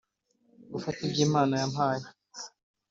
gufata ibyo imana yampaye